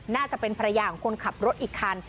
น่าจะเป็นภรรยาของคนขับรถอีกคัน